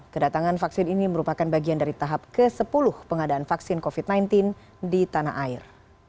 kedatangan vaksin ini merupakan bagian dari tahap ke sepuluh pengadaan vaksin covid sembilan belas di tanah air